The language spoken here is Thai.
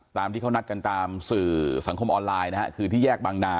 ตามที่เขานัดกันตามสื่อสังคมออนไลน์นะฮะคือที่แยกบางนา